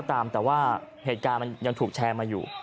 แต่ว่าเหตุการณ์มันยังถูกแชร์มาอยู่